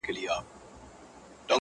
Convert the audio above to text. ډېر له کیبره څخه ګوري و هوا ته,